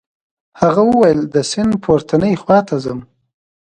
هغه وویل د سیند پورتنۍ خواته ځم.